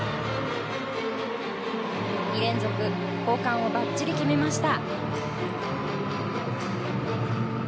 ２連続、交換をばっちり決めました。